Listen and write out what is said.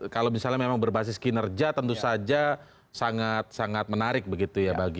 kalau misalnya memang berbasis kinerja tentu saja sangat sangat menarik begitu ya